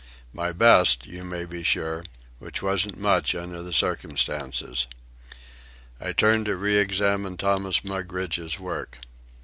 "My best, you may be sure, which wasn't much under the circumstances." I turned to re examine Thomas Mugridge's work.